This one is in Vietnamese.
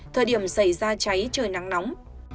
thời điểm xảy ra cháy trời nắng nóng